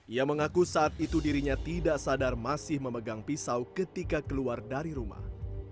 ia mengaku saat itu dirinya tidak sadar masih memegang pisau ketika keluar dari rumah